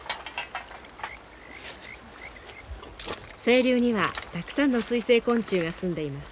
清流にはたくさんの水生昆虫がすんでいます。